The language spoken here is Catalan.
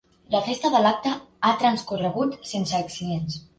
La resta de l’acte ha transcorregut sense incidents.